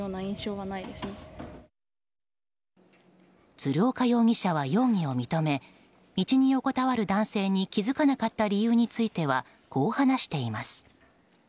鶴岡容疑者は容疑を認め道に横たわる男性に気づかなった理由についてはこう話しています。